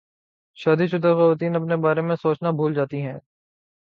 شادی شدہ خواتین اپنے بارے میں سوچنا بھول جاتی ہیں